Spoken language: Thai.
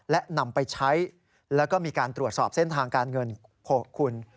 และนำไปใช้แล้วก็มีการตรวจสอบเส้นทางการเงินคุณ